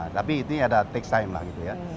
tapi ini ada take time lah gitu ya